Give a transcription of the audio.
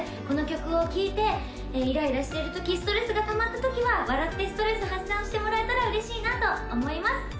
この曲を聴いてイライラしているときストレスがたまったときは笑ってストレス発散してもらえたら嬉しいなと思います